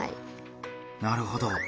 なるほど。